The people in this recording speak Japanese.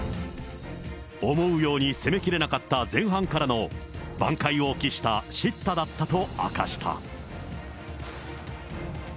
思うように攻めきれなかった前半からのばん回を期した叱咤だったと明かした。